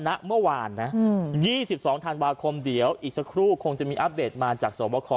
นะเมื่อวานนะอืมยี่สิบสองทางบาคมเดี๋ยวอีกสักครู่คงจะมีอัพเดทมาจากสวบคอ